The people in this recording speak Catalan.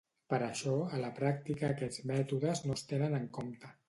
Per això, a la pràctica aquests mètodes no es tenen en compte.